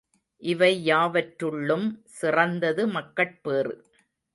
இவை யாவற்றுள்ளும் சிறந்தது மக்கட்பேறு.